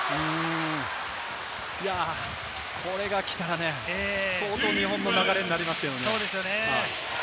これが来たら、相当、日本の流れになりますけれどね。